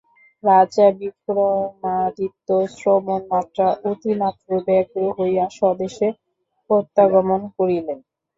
রাজা বিক্রমাদিত্য শ্রবণমাত্র অতিমাত্র ব্যগ্র হইয়া স্বদেশে প্রত্যাগমন করিলেন।